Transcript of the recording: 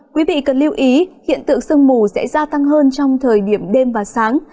quý vị cần lưu ý hiện tượng sương mù sẽ gia tăng hơn trong thời điểm đêm và sáng